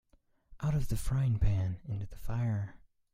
Out of the frying pan into the fire.